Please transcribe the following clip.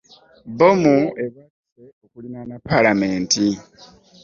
Bbomu ebwatuse okuliraana palamenti.